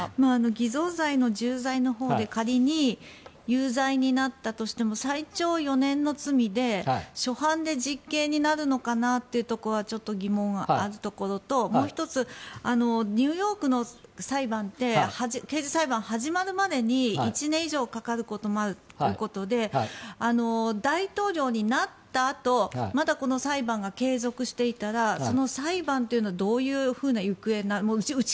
偽造罪の重罪のほうで仮に、有罪になったとしても最長４年の罪で初犯で実刑になるのかなというところは疑問があるところともう１つニューヨークの裁判って刑事裁判、始まるまでに１年以上かかることもあるということで大統領になったあとまだこの裁判が継続していたらその裁判というのはどういう行方に。